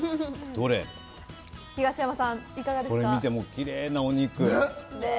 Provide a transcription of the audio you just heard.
これ見て、きれいなお肉。